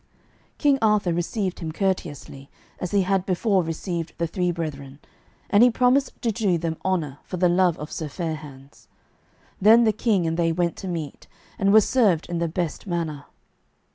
King Arthur received him courteously, as he had before received the three brethren, and he promised to do them honour for the love of Sir Fair hands. Then the King and they went to meat, and were served in the best manner.